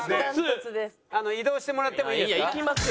移動してもらってもいいですか？